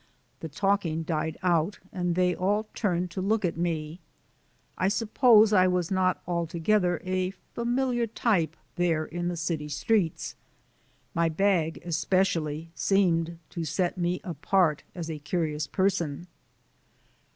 The talking died out and they all turned to look at me. I suppose I was not altogether a familiar type there in the city streets. My bag, especially, seemed to set me apart as a curious person.